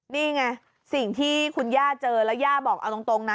นี่ไงสิ่งที่คุณย่าเจอแล้วย่าบอกเอาตรงนะ